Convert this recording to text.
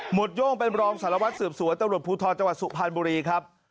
โย่งเป็นรองสารวัตรสืบสวนตำรวจภูทรจังหวัดสุพรรณบุรีครับ